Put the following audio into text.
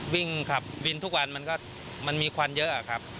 วิ่งขับวินทุกวันมันก็มันมีควันเยอะครับ